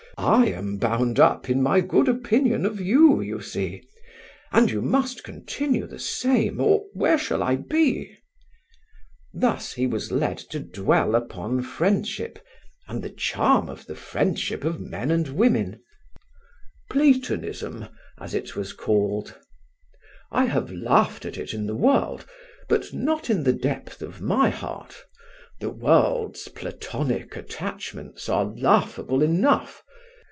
I am bound up in my good opinion of you, you see; and you must continue the same, or where shall I be?" Thus he was led to dwell upon friendship, and the charm of the friendship of men and women, "Platonism", as it was called. "I have laughed at it in the world, but not in the depth of my heart. The world's platonic attachments are laughable enough.